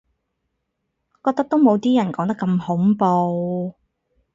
覺得都冇啲人講得咁恐怖